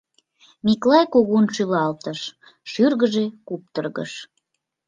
Миклай кугун шӱлалтыш, шӱргыжӧ куптыргыш.